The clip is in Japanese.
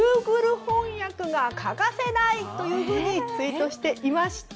翻訳が欠かせないというふうにツイートしていまして。